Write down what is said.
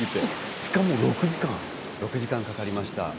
しかも６時間かかりました。